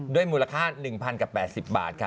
ด้วยมูลค่า๑๐๘๐บาทค่ะ